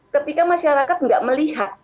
ketika masyarakat gak melihat